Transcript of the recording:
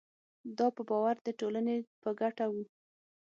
دا په باور د ټولنې په ګټه وو.